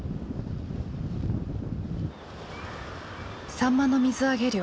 サンマの水揚げ量